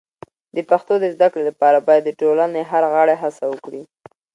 د پښتو د زده کړې لپاره باید د ټولنې هر غړی هڅه وکړي.